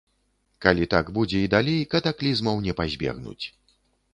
Калі так будзе і далей, катаклізмаў не пазбегнуць.